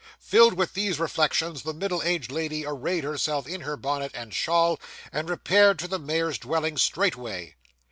Filled with these reflections, the middle aged lady arrayed herself in her bonnet and shawl, and repaired to the mayor's dwelling straightway.